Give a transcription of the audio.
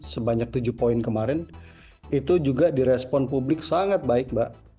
sebanyak tujuh poin kemarin itu juga di respon publik sangat baik mbak